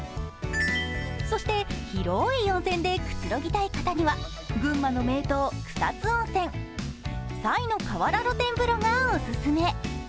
そして、広い温泉でくつろぎたい方には群馬の名湯、草津温泉西の河原露天風呂がオススメ。